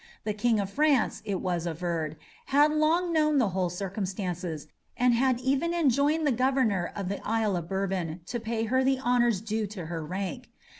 The King of France, it was averred, had long known the whole circumstances, and had even enjoined the Governor of the Isle of Bourbon to pay her the honours due to her rank.